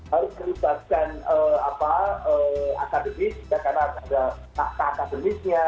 harus melibatkan akademis jika karena ada akademisnya